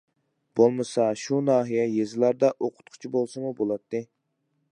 بولمىسا شۇ ناھىيە يېزىلاردا ئوقۇتقۇچى بولسىمۇ بولاتتى.